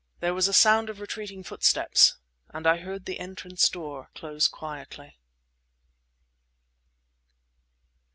There was a sound of retreating footsteps, and I heard the entrance door close quietly.